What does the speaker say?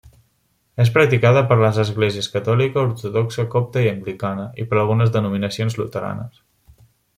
És practicada per les esglésies Catòlica, Ortodoxa, Copta i Anglicana i per algunes denominacions luteranes.